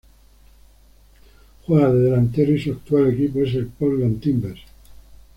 Juega de delantero y su actual equipo es el Portland Timbers.